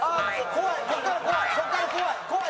怖い！